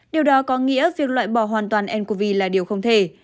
điều đó có nghĩa việc loại bỏ hoàn toàn ncov là điều không thể